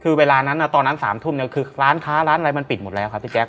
คือเวลานั้นตอนนั้น๓ทุ่มเนี่ยคือร้านค้าร้านอะไรมันปิดหมดแล้วครับพี่แจ